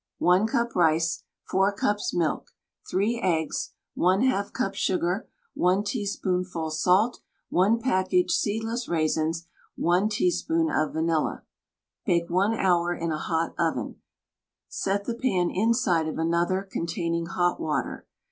I cup rice 4 cups milk 3 eggs J4 cup sugar I teaspoonful salt I package seedless raisins I teaspoon of vanilla Bake one hour in a hot oven. Set the pan inside of another containing hot water.